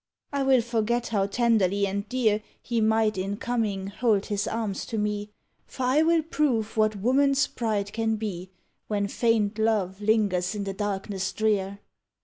I will forget how tenderly and dear He might in coming hold his arms to me, For I will prove what woman's pride can be When faint love lingers in the darkness drear.